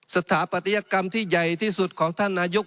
สถาปัตยกรรมที่ใหญ่ที่สุดของท่านนายก